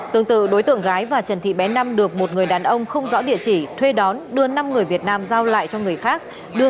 tương tự đối tượng gái và trần thị bé năm được một người đàn ông không rõ địa chỉ thuê đón đưa năm người việt nam giao lại cho người khác